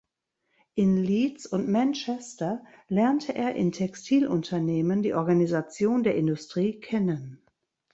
In Leeds und Manchester lernte er in Textilunternehmen die Organisation der Industrie kennen.